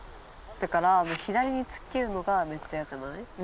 だから左に突っ切るのがめっちゃ嫌じゃない？